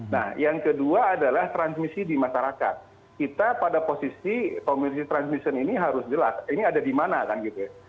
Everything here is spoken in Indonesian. nah yang kedua adalah transmisi di masyarakat kita pada posisi community transmission ini harus jelas ini ada di mana kan gitu ya